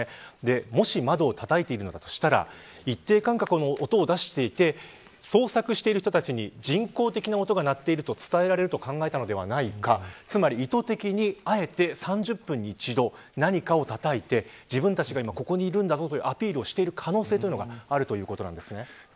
もし窓をたたいているのだとしたら一定間隔の音を出していて捜索している人たちに人工的な音が鳴っていると伝えられると考えたのではないかつまり、意図的にあえて３０分に一度、何かをたたいて自分たちが今ここにいるんだぞというアピールをしている可能性があるということなんです。